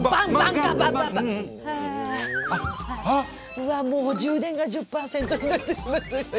あわっもう充電が１０％になってしまいました。